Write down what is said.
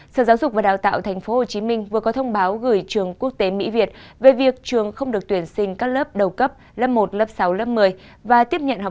hãy đăng ký kênh để ủng hộ kênh của chúng mình nhé